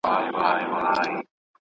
رحیم ولې په پاڼه غوسه شو؟